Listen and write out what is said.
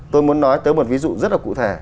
tôi muốn nói tới một ví dụ rất là cụ thể